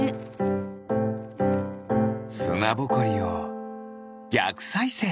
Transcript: すなぼこりをぎゃくさいせい！